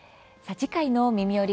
次回の「みみより！